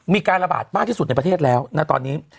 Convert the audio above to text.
มีการระบาดมากที่สุดในประเทศแล้วนะตอนนี้